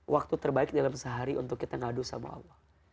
waktu terbaik dalam sehari untuk kita ngadu sama allah